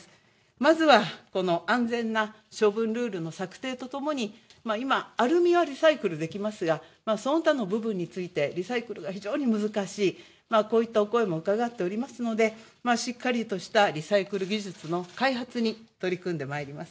まずは安全な処分ルールの策定とともにアルミはリサイクルできますがその他の部分についてリサイクルが非常に難しい、こういったお声もうかがっておりますので、しっかりとしたリサイクル技術の開発に取り組んでまいります。